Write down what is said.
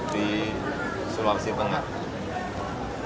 di sulawesi tenggara